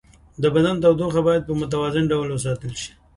د بدن تودوخه باید په متوازن ډول وساتل شي.